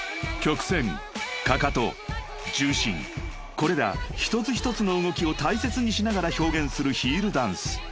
［これら一つ一つの動きを大切にしながら表現するヒールダンス］